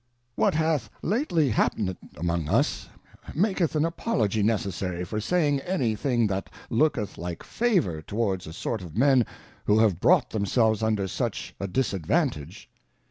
What hath lately hapned among us, maketh an Apology necessary for saying any thing that looketh like favour to wards a sort of Men who have brought themselves under such a disadvantage.